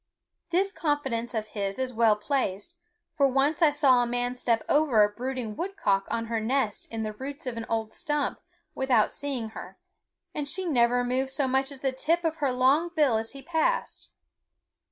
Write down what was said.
This confidence of his is well placed, for once I saw a man step over a brooding woodcock on her nest in the roots of an old stump without seeing her, and she never moved so much as the tip of her long bill as he passed.